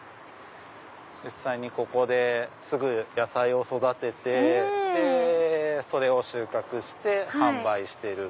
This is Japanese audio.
実際にここで野菜を育ててそれを収穫して販売してる。